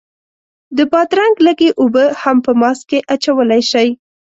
د بادرنګ لږې اوبه هم په ماسک کې اچولی شئ.